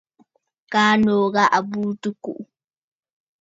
Kaa nòò ghà à burə tɨ̀ kùꞌù.